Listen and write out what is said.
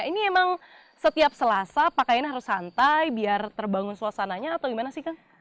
ini emang setiap selasa pakaiannya harus santai biar terbangun suasananya atau gimana sih kang